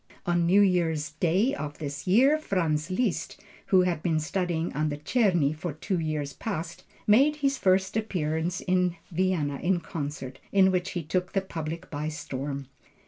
On New year's day of this year, Franz Liszt, who had been studying under Czerny for two years past, made his first appearance in Vienna in concert, in which he took the public by storm.